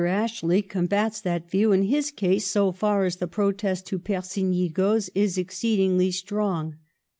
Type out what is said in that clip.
Ashley combats that view, and his case, so far as the protest to Persigny goes, is ex ceedingly strong.